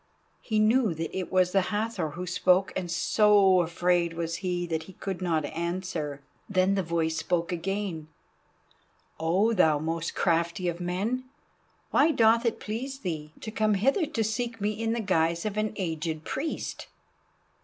He knew that it was the Hathor who spoke, and so afraid was he that he could not answer. Then the voice spoke again: "Oh, thou most crafty of men, why doth it please thee to come hither to seek me in the guise of an aged priest.